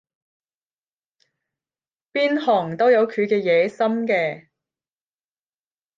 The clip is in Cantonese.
邊行都有佢嘅野心嘅